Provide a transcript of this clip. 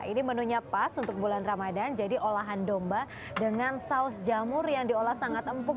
ini menunya pas untuk bulan ramadan jadi olahan domba dengan saus jamur yang diolah sangat empuk